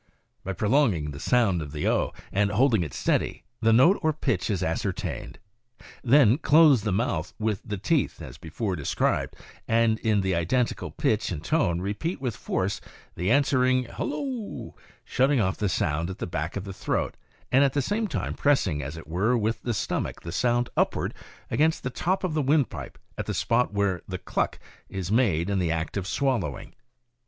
By prolong ing the sound of the o, and holding it steady, the note or pitch is ascertained. Then close the mouth with the teeth, as before described, and in the identical pitch and tone repeal with force the answering "Hallo," shutting off the sound at the back of the throat, and at the same time pressing, as it were, with the stomach the sound upward against the top of the windpipe at the spot where the "cluck" is made in the act of swallowing.